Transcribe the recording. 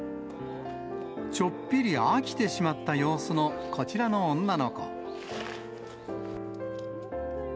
ちょっぴり飽きてしまった様子のこちらの女の子。